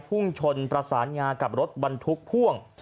พุ่งชนประสานงากับรถบรรทุกพ่วง